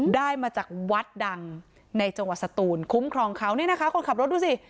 ได้มาจากวัดดังในจังหวัดสตูนคุ้มครองเขาเนี่ยนะคะคนขับรถดูสิ